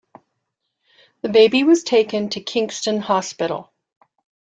The baby was taken to Kingston Hospital.